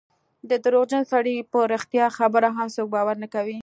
د درواغجن سړي په رښتیا خبره هم څوک باور نه کوي.